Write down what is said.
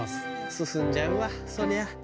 「進んじゃうわそりゃ」